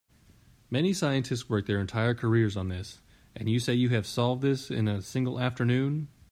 Many scientists work their entire careers on this, and you say you have solved this in a single afternoon?